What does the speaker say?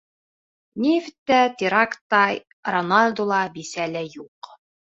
Нефть тә, теракт та, Роналду ла, бисә лә юҡ.